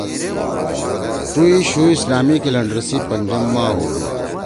ڇُوئی شُو اسلامی کیلنڈر سی پنجم ماہ ہودُو۔